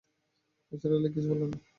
নিসার আলি কিছু বললেন না।